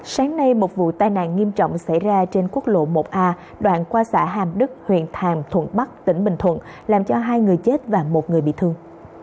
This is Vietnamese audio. sáng nay một vụ tai nạn nghiêm trọng xảy ra trên quốc lộ một a đoạn qua xã hàm đức huyện hàm thuận bắc tỉnh bình thuận làm cho hai người chết và một người bị thương